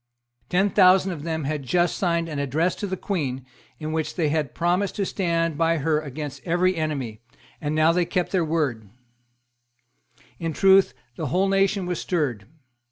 Ten thousand of them had just signed an address to the Queen, in which they had promised to stand by her against every enemy; and they now kept their word, In truth, the whole nation was stirred.